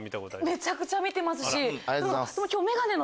めちゃくちゃ見てます。